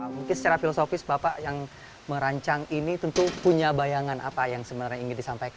mungkin secara filosofis bapak yang merancang ini tentu punya bayangan apa yang sebenarnya ingin disampaikan